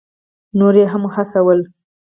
نور یې هم هڅول.